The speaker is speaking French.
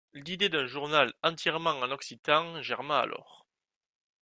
L'idée d'un journal entièrement en occitan germât alors.